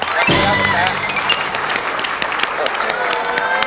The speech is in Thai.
เพื่อจะไปชิงรางวัลเงินล้าน